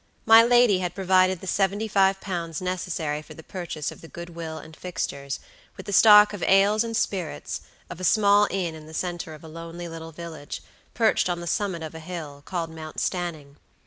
My lady had provided the seventy five pounds necessary for the purchase of the good will and fixtures, with the stock of ales and spirits, of a small inn in the center of a lonely little village, perched on the summit of a hill, and called Mount Stanning.